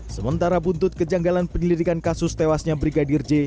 sementara buntut kejanggalan penyelidikan kasus tewasnya brigadir j